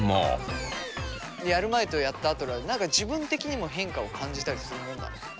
やる前とやったあとだと何か自分的にも変化を感じたりするもんなの？